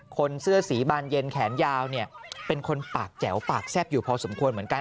คนเสื้อสีบานเย็นแขนยาวเป็นคนปากแจ๋วปากแซ่บอยู่พอสมควรเหมือนกัน